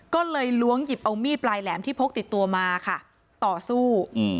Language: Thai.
ก็เลยล้วงหยิบเอามีดปลายแหลมที่พกติดตัวมาค่ะต่อสู้